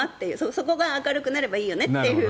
そこが明るくなればいいよねっていう。